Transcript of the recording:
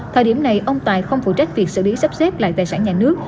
thời điểm này ông tài không phụ trách việc xử lý sắp xếp lại tài sản nhà nước